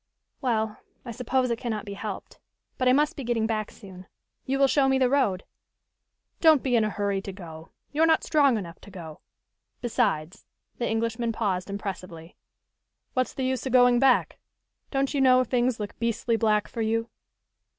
"Well, I suppose it cannot be helped. But I must be getting back soon. You will show me the road?" "Don't be in a hurry to go. You're not strong enough to go. Besides " the Englishman paused impressively. "What's the use of going back? Don't you know things look beastly black for you?"